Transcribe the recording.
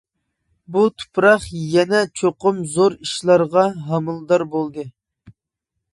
بۇ تۇپراق يەنە چوقۇم زور ئىشلارغا ھامىلىدار بولدى.